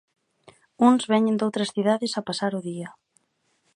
Uns veñen doutras cidades a pasar o día.